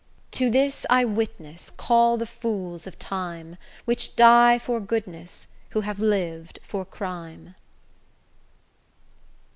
To this I witness call the fools of time, Which die for goodness, who have lived for crime.